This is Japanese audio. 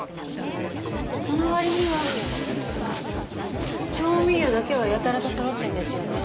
その割には調味料だけはやたらとそろってるんですよね。